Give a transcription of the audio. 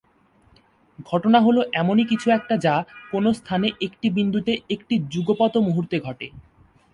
ঘটনা হল এমনই কিছু একটা যা কোন স্থানে একটি বিন্দুতে একটি যুগপৎ মুহূর্তে ঘটে।